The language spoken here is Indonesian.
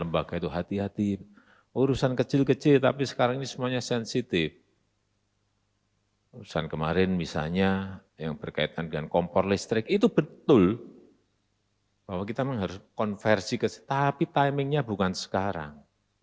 bahwa kita memang harus konversi ke situasi tapi timingnya bukan sekarang